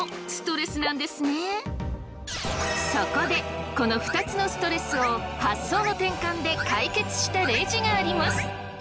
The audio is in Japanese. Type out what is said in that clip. そこでこの２つのストレスを発想の転換で解決したレジがあります。